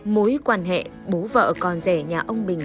mối quan hệ bố vợ còn rẻ nhà ông bình